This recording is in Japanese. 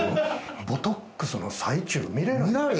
ボトックスの最中見れない。